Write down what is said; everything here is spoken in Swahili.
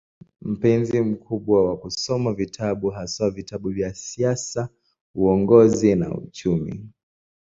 Mpenzi mkubwa wa kusoma vitabu, haswa vitabu vya siasa, uongozi na uchumi.